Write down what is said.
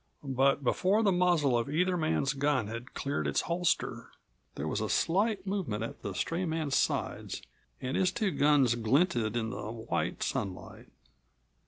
But before the muzzle of either man's gun had cleared its holster, there was a slight movement at the stray man's sides and his two guns glinted in the white sunlight.